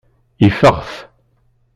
Ifeɣ-t.